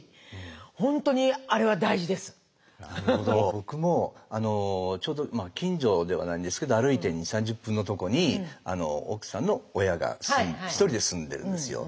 僕も近所ではないんですけど歩いて２０３０分のとこに奥さんの親が一人で住んでるんですよ。